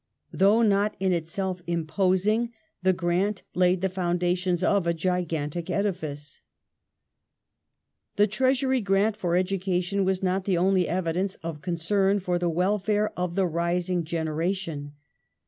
Though not in itself imposing, the grant laid the foundations of a gigantic edifice.^ The Treasury grant for education was not the only evidence ofTheFac concern for the welfare of the rising generation.